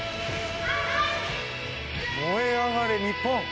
燃え上がれ日本。